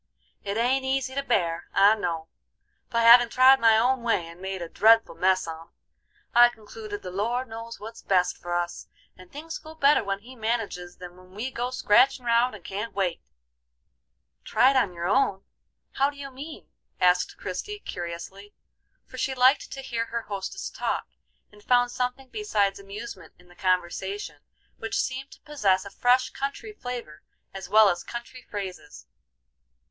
"It ain't easy to bear, I know, but having tried my own way and made a dreadful mess on 't, I concluded that the Lord knows what's best for us, and things go better when He manages than when we go scratchin' round and can't wait." "Tried your own way? How do you mean?" asked Christie, curiously; for she liked to hear her hostess talk, and found something besides amusement in the conversation, which seemed to possess a fresh country flavor as well as country phrases.